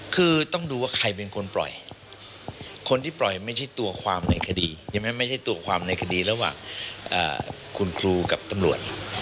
คือต้องดูว่าใครเป็นคนปล่อยคนที่ปล่อยไม่ใช่ตัวความในคดีไม่ใช่ตัวความในคดีระหว่างคุณครูกับตำรวจ